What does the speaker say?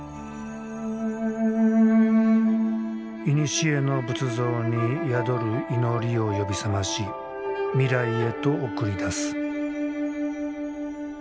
いにしえの仏像に宿る祈りを呼び覚まし未来へと送り出す。